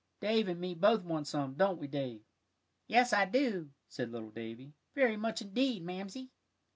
"Dave and me both want some; don't we, Dave?" "Yes, I do," said little Davie, "very much indeed, Mamsie."